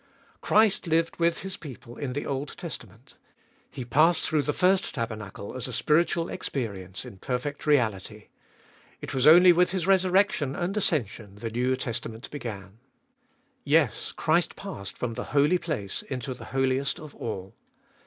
Christ lived with His people in the Old Testament; He passed through the first tabernacle as a spiritual experience in perfect reality ; it was only with His resurrection and ascension the New Testament began. Yes, Christ passed from the Holy Place into the Holiest of All.